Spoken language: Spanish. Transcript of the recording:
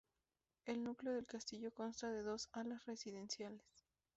El núcleo del castillo consta de dos alas residenciales.